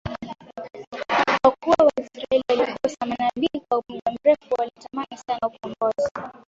Kwa kuwa Waisraeli walikosa manabii kwa muda mrefu na walitamani sana ukombozi